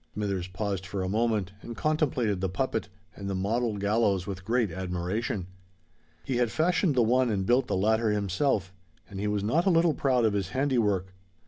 Smithers paused for a moment, and contemplated the puppet and the model gallows with great admiration. He had fashioned the one and built the latter himself; and he was not a little proud of his handiwork.